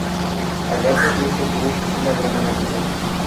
Hagamos de este tour, una gran aventura.